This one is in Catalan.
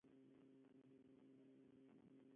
La capital d'aquesta governació és la ciutat de Latakia.